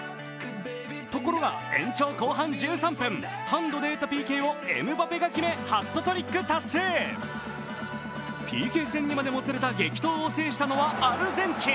ところが、延長後半１３分、ハンドで得たＰＫをエムバペが決めハットトリック達成ＰＫ戦にまでもつれた激闘を制したのはアルゼンチン。